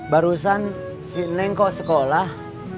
barusan si neng kok sekolah